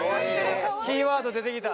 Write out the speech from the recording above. キーワード出てきた。